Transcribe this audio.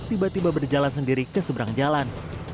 tiba tiba berjalan sendiri keseberang jalan